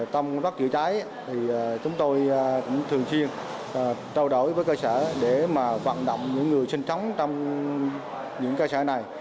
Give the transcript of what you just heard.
trong công tác chữa cháy thì chúng tôi cũng thường chiên trao đổi với cơ sở để vận động những người sinh sống trong những cơ sở này